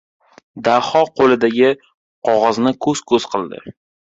Daho qo‘lidagi qog‘ozni ko‘z-ko‘z qildi.